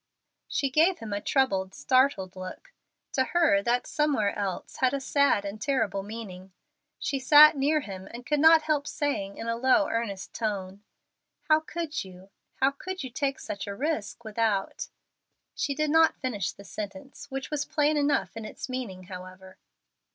She gave him a troubled, startled look. To her that "somewhere else" had a sad and terrible meaning. She sat near him, and could not help saying in a low, earnest tone, "How could you, how could you take such a risk without " She did not finish the sentence, which was plain enough in its meaning, however.